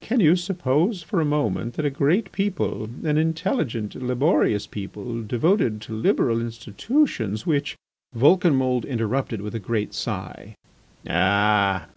Can you suppose for a moment that a great people, an intelligent, laborious people, devoted to liberal institutions which. .." Vulcanmould interrupted with a great sigh: "Ah!